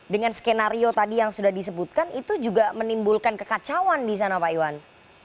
dengan skenario tadi yang sudah disebutkan itu juga menimbulkan kekacauan di sana pak iwan